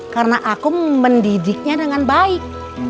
karena aku mendidiknya dengan baik